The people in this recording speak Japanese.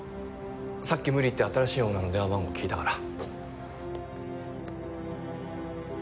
さっき無理言って新しいオーナーの電話番号聞いたから。